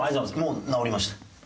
もう治りました。